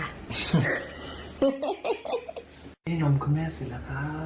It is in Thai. ให้ยอมคุณแม่สิล่ะครับ